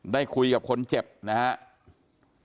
ได้คุยกับคนเจ็บนะฮะ